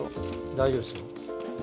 大丈夫ですよ。